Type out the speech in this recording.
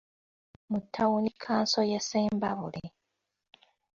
Mu ttawuni kkanso y'e Ssembabule .